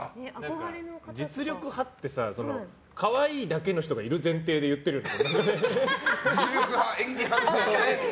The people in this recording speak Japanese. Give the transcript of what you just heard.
実力派ってさ可愛いだけの人がいる前提で実力派、演技派ってね。